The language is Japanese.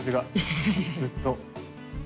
ずっと。